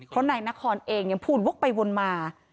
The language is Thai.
เพราะนายนครเองยังพูดวกไปวนมา